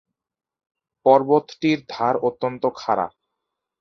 পর্বতটির ধার অত্যন্ত খাড়া।